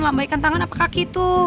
lambaikan tangan apa kaki tuh